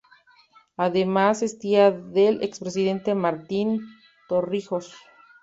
Además es tía del expresidente Martín Torrijos.